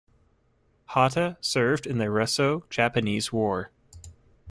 Hata served in the Russo-Japanese War.